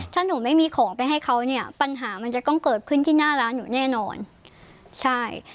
ถ้าหนูไม่มีของไปให้เขาเนี่ยปัญหามันจะต้องเกิดขึ้นที่หน้าร้านหนูแน่นอนใช่